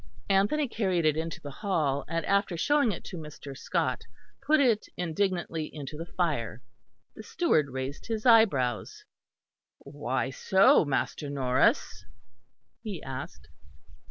Anthony carried it into the hall, and after showing it to Mr. Scot, put it indignantly into the fire. The steward raised his eyebrows. "Why so, Master Norris?" he asked.